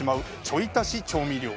ちょい足し調味料。